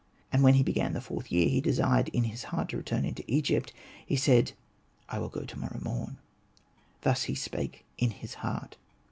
And when he began the fourth year, he desired in his heart to return into Egypt ; he said " I will go to morrow morn :" thus spake he in his heart.